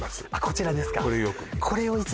こちらですか？